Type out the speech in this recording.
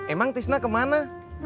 emang tisna kemana